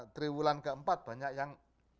teriwulan keempat banyak yang